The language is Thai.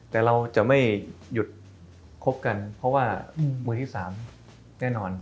แต่เราจะไม่หยุดคบกันเพราะว่ามือที่๓แน่นอน